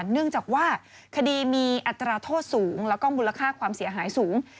เนื่องจากว่าคดีมีอัตราโทษสูงแล้วก็มูลค่าความเสียหายสูง